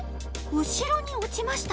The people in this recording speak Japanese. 後ろに落ちました。